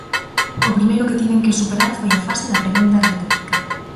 O primeiro que tiven que superar foi a fase da pregunta retórica.